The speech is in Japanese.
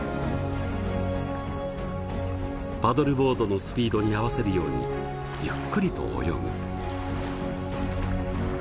パドルボードのスピードに合わせるようにゆっくりと泳ぐ。